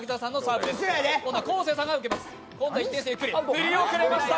振り遅れました。